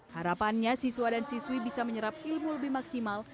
harapannya siswa dan siswi bisa menyerap ilmu lebih maksimal